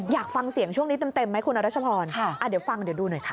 อยากฟังเสียงช่วงนี้เต็มไหมคุณรัชพรเดี๋ยวฟังเดี๋ยวดูหน่อยค่ะ